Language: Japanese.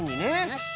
よし。